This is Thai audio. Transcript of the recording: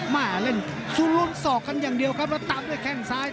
แม่เล่นชูรุ้นศอกกันอย่างเดียวครับแล้วตามด้วยแข้งซ้าย